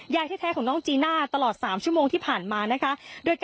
ยายแท้ของน้องจีน่าตลอด๓ชั่วโมงที่ผ่านมานะคะ